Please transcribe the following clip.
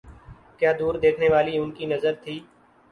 کیا دور دیکھنے والی ان کی نظر تھی۔